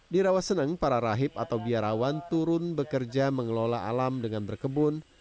di rawaseneng para rahib atau biarawan turun bekerja mengelola alam dengan berkebun